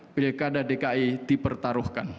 pilkada dki dipertaruhkan